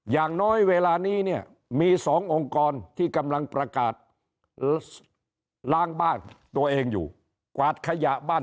อย่างน้อยเวลานี้เนี่ยมีสององค์กรที่กำลังประกาศล้างบ้านตัวเองอยู่กวาดขยะบ้าน